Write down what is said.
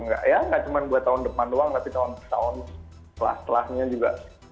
gak cuma buat tahun depan doang tapi tahun setelahnya juga